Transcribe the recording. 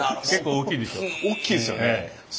大きいですよね。